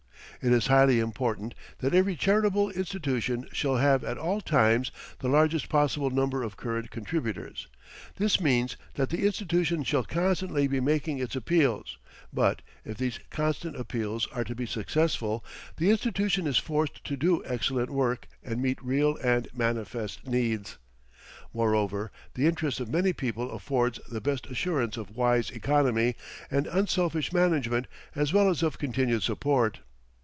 It is highly important that every charitable institution shall have at all times the largest possible number of current contributors. This means that the institution shall constantly be making its appeals; but, if these constant appeals are to be successful, the institution is forced to do excellent work and meet real and manifest needs. Moreover, the interest of many people affords the best assurance of wise economy and unselfish management as well as of continued support.